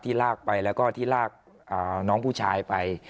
ลากไปแล้วก็ที่ลากน้องผู้ชายไป